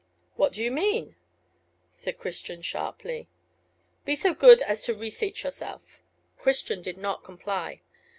"What do you mean?" said Christian, sharply. "Be so good as to reseat yourself." Christian did not comply.